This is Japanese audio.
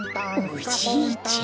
おじいちゃん。